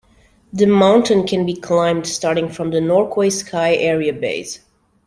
The mountain can be climbed starting from the Norquay Ski Area base.